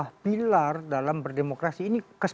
intinya juga kondisinya asli